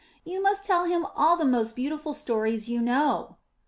You must tell him all the most beautiful stories you know.''